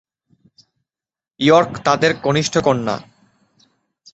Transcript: York তাদের কনিষ্ঠ কন্যা।